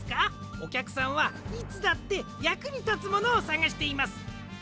おきゃくさんはいつだってやくにたつものをさがしています。